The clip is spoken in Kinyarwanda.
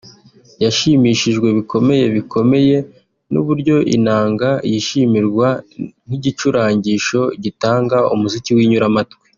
yashimishijwe bikomeye bikomeye n’uburyo inanga yishimirwa nk’igicurangisho gitanga umuziki w’inyuramatwi